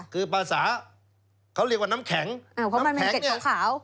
คือภาษาเขาเรียกว่าน้ำแข็งเพราะมันเป็นเด็ดขาว